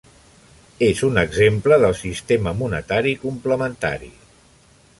És un exemple del sistema monetari complementari.